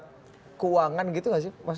bersifat keuangan gitu nggak sih pak